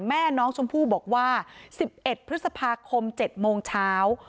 แม่น้องชมพู่บอกว่า๑๑พฤษภาคม๗โมงเช้า